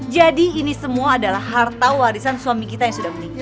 jadi ini semua adalah harta warisan suami kita yang sudah meninggal